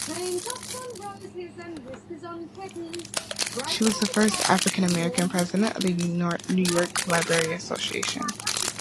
She was the first African American president of the New York Library Association.